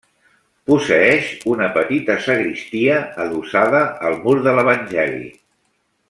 Posseïx una petita sagristia adossada al mur de l'Evangeli.